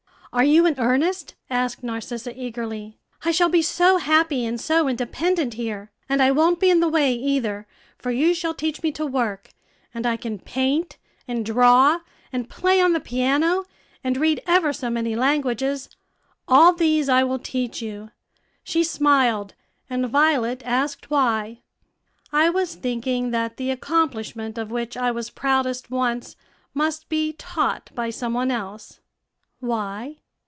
"Are you in earnest?" asked Narcissa, eagerly. "I shall be so happy and so independent here! and I won't be in the way either, for you shall teach me to work, and I can paint, and draw, and play on the piano, and read ever so many languages. All these I will teach you." She smiled, and Violet asked why. "I was thinking that the accomplishment of which I was proudest once must be taught by some one else." "Why?"